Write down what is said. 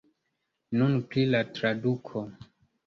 Nun pri la traduko.